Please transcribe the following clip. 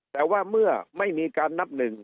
แต่ว่าเมื่อไม่มีการนับหนึ่ง